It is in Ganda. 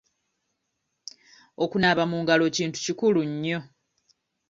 Okunaaba mu ngalo kintu kikulu nnyo.